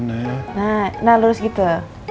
nah nah lurus gitu